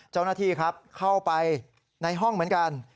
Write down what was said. เจ้าหน้าที่ครับเข้าไปในห้องเหมือนกัน